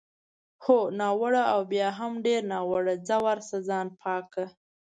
هو، ناوړه او بیا هم ډېر ناوړه، ځه ورشه ځان پاک کړه.